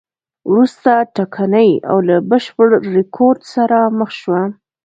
وروسته ټکنۍ او له بشپړ رکود سره مخ شوه.